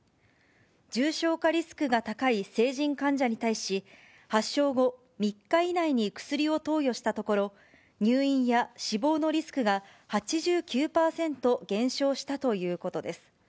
重症化リスクが高い成人患者に対し、発症後３日以内に薬を投与したところ、入院や死亡のリスクが８９％減少したということです。